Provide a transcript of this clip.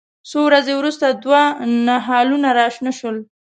څو ورځې وروسته دوه نهالونه راشنه شول.